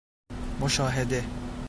مشاهده